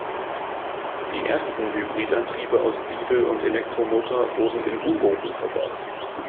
Die ersten Hybridantriebe aus Diesel- und Elektromotor wurden in U-Booten verbaut.